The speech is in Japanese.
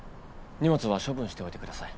荷物は処分しておいてください。